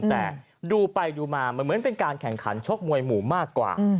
แต่ดูไปดูมามันเหมือนเป็นการแข่งขันชกมวยหมู่มากกว่า